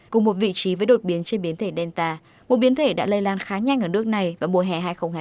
cùng một vị trí với đột biến trên biến thể delta một biến thể đã lây lan khá nhanh ở nước này vào mùa hè hai nghìn hai mươi